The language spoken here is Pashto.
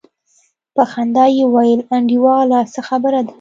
په خندا يې وويل انډيواله څه خبره ده.